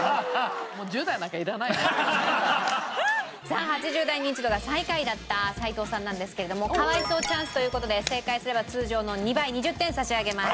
さあ８０代ニンチドが最下位だった斉藤さんなんですけれども可哀想チャンスという事で正解すれば通常の２倍２０点差し上げます。